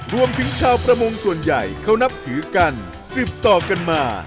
รวมถึงชาวประมงส่วนใหญ่เขานับถือกันสืบต่อกันมา